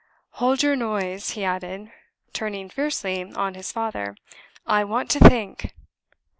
"Hold your noise!" he added, turning fiercely on his father. "I want to think."